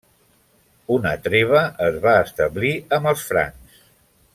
Una treva es va establir amb els francs.